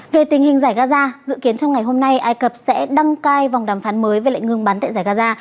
về tình hình giải gaza dự kiến trong ngày hôm nay ai cập sẽ đăng cai vòng đàm phán mới về lệnh ngừng bắn tại giải gaza